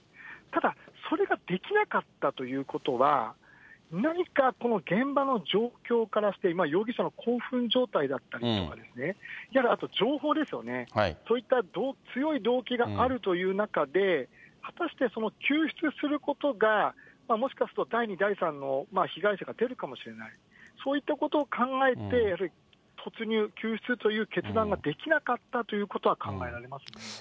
ただ、それができなかったということは、何か現場の状況からして、容疑者の興奮状態だったりとかですね、いわゆるあと情報ですよね、そういった強い動機があるという中で、果たして救出することがもしかすると第２、第３の被害者が出るかもしれない、そういったことを考えて、突入、救出という決断ができなかったということは考えられますね。